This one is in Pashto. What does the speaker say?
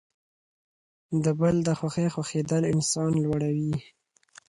د بل د خوښۍ خوښیدل انسان لوړوي.